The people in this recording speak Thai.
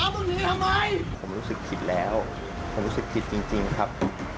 ผมรู้สึกผิดแล้วผมรู้สึกผิดจริงครับ